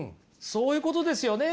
そういうことですよね。